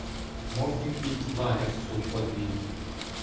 Мов їм під лагер суд одвів.